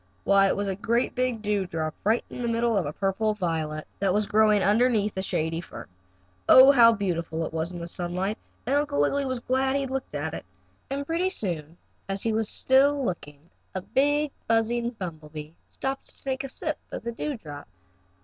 Why, it was a great big dewdrop, right in the middle of a purple violet, that was growing underneath a shady fern. Oh, how beautiful it was in the sunlight, and Uncle Wiggily was glad he had looked at it. And pretty soon, as he was still looking, a big, buzzing bumble bee buzzed along and stopped to take a sip of the dewdrop.